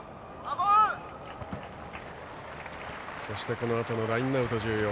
そしてこのあとのラインアウトが重要。